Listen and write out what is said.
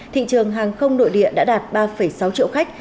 thị trường hàng không nội địa đã đạt ba sáu triệu khách